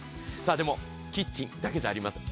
でもキッチンだけじゃありません。